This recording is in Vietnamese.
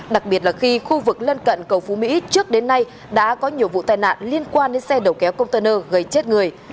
đặc biệt là khi khu vực lân cận cầu phú mỹ trước đến nay đã có nhiều vụ tai nạn liên quan đến xe đầu kéo container gây chết người